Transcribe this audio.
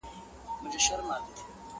چي كوټې ته سو دننه د ټگانو؛